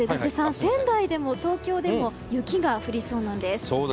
仙台でも東京でも雪が降りそうなんです。